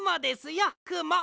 よくも。